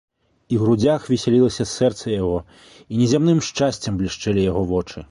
І ў грудзях весялілася сэрца яго, і незямным шчасцем блішчэлі яго вочы.